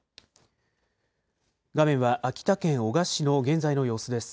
画面は秋田県男鹿市の現在の様子です。